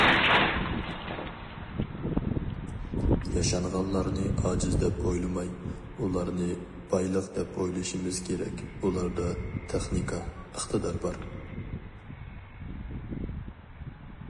ياشانغانلارنى ئاجىز دەپ ئويلىماي، ئۇلارنى بايلىق دەپ ئويلىشىمىز كېرەك، ئۇلاردا تېخنىكا، ئىقتىدار بار.